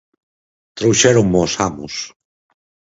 Trouxéronmo os amos.